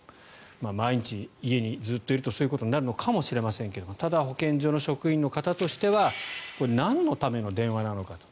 毎日、家にずっといるとそういうことになるのかもしれませんがただ、保健所の職員の方としてはなんのための電話なのかと。